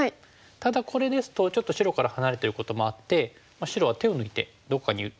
ただこれですとちょっと白から離れてることもあって白は手を抜いてどこかに打てそうですよね。